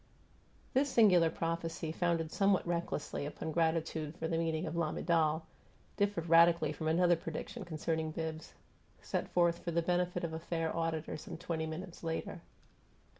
This singular prophecy, founded somewhat recklessly upon gratitude for the meaning of "lamiDAL," differed radically from another prediction concerning Bibbs, set forth for the benefit of a fair auditor some twenty minutes later.